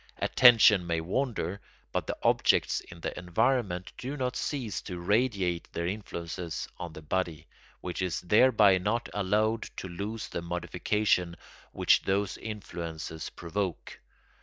Attention may wander, but the objects in the environment do not cease to radiate their influences on the body, which is thereby not allowed to lose the modification which those influences provoke.